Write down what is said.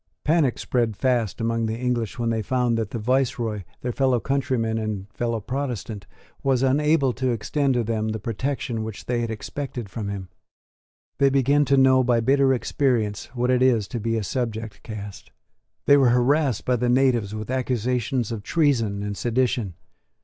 Panic spread fast among the English when they found that the viceroy, their fellow countryman and fellow Protestant, was unable to extend to them the protection which they had expected from him. They began to know by bitter experience what it is to be a subject caste. They were harassed by the natives with accusations of treason and sedition.